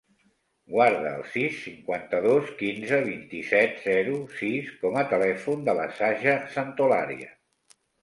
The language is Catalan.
Guarda el sis, cinquanta-dos, quinze, vint-i-set, zero, sis com a telèfon de la Saja Santolaria.